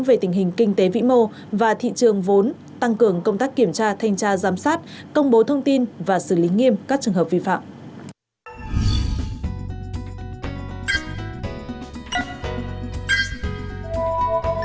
về tình hình kinh tế vĩ mô và thị trường vốn tăng cường công tác kiểm tra thanh tra giám sát công bố thông tin và xử lý nghiêm các trường hợp vi phạm